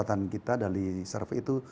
catatan kita dari survei itu